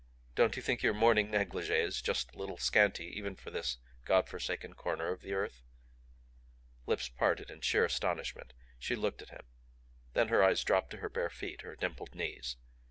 "Don't you think your morning negligee is just a little scanty even for this Godforsaken corner of the earth?" Lips parted in sheer astonishment, she looked at him. Then her eyes dropped to her bare feet, her dimpled knees.